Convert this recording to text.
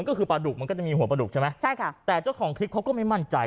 ก็คือปลาดุกมันก็จะมีหัวปลาดุกใช่ไหมใช่ค่ะแต่เจ้าของคลิปเขาก็ไม่มั่นใจ